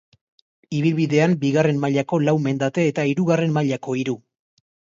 Ibilbidean bigarren mailako lau mendate eta hirugarren mailako hiru.